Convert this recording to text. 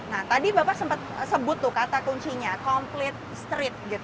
nah tadi bapak sempat sebut tuh kata kuncinya complete street gitu